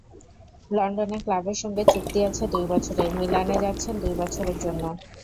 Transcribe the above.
লন্ডনের ক্লাবের সঙ্গে চুক্তি আছে দুই বছরের, মিলানে যাচ্ছেন দুই বছরের জন্য।